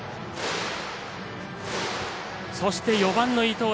そして、４番の伊藤。